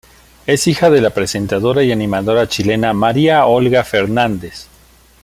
Es hija de la presentadora y animadora chilena María Olga Fernández.